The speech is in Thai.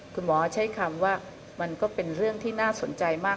คุณหมอใช้คำว่ามันก็เป็นเรื่องที่น่าสนใจมาก